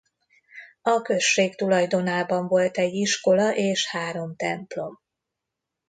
A község tulajdonában volt egy iskola és három templom.